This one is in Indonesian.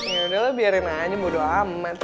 yaudah lo biarin aja bodo amat